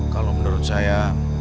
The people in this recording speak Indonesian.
kalau menurut saya